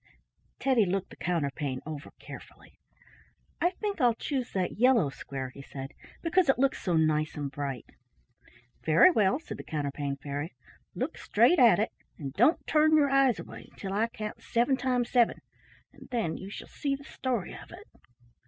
Teddy looked the counterpane over carefully. "I think I'll choose that yellow square," he said, "because it looks so nice and bright." "Very well," said the Counterpane Fairy. "Look straight at it and don't turn your eyes away until I count seven times seven and then you shall see the story of it."